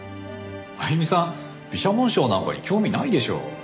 あゆみさん美写紋賞なんかに興味ないでしょう。